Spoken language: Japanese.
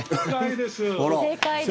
正解です。